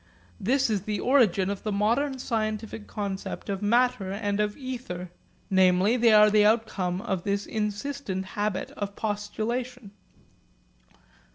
This is the origin of the modern scientific concept of matter and of ether, namely they are the outcome of this insistent habit of postulation.